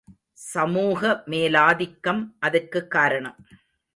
சமூக மேலாதிக்கம் அதற்குக் காரணம்.